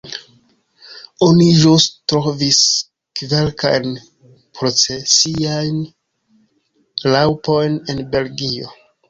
Oni ĵus trovis kverkajn procesiajn raŭpojn en Belgio.